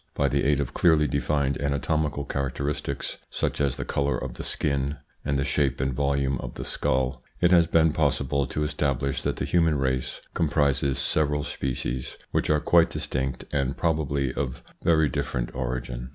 By the aid of clearly defined anatomical characteristics, such as the colour of the skin, and the shape and volume of the skull, it has been possible to establish that the human race comprises several species which are quite distinct and probably of very different origin.